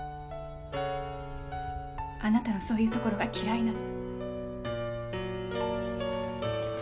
あなたのそういうところが嫌いなの。